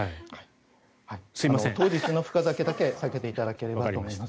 当日の深酒だけは避けていただければと思います。